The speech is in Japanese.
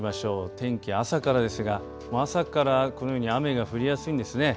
天気朝からですが、朝からこのように雨が降りやすいんですね。